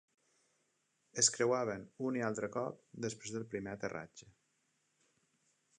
Es creuaven un i altre cop després del primer aterratge.